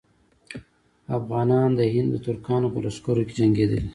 افغانان د هند د ترکانو په لښکرو کې جنګېدلي.